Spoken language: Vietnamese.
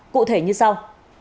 cụ thể như sau